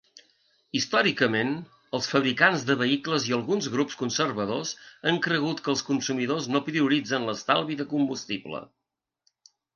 Històricament, els fabricants de vehicles i alguns grups conservadors han cregut que els consumidors no prioritzen l'estalvi de combustible.